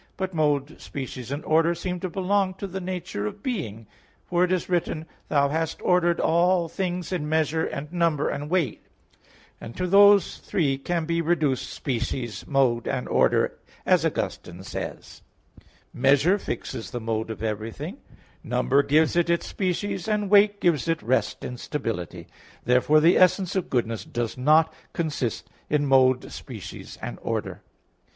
But mode, species and order seem to belong to the nature of being, for it is written: "Thou hast ordered all things in measure, and number, and weight" (Wis. 11:21). And to these three can be reduced species, mode and order, as Augustine says (Gen. ad lit. iv, 3): "Measure fixes the mode of everything, number gives it its species, and weight gives it rest and stability." Therefore the essence of goodness does not consist in mode, species and order.